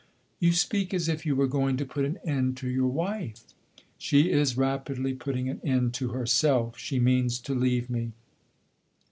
"You speak as if you were going to put an end to your wife!" "She is rapidly putting an end to herself. She means to leave me."